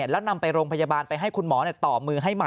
แล้วนำไปโรงพยาบาลไปให้คุณหมอต่อมือให้ใหม่